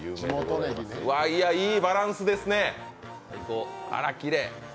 わー、いいバランスですね、あらきれい。